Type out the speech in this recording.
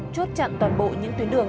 chốt chặn toàn bộ những tuyến đường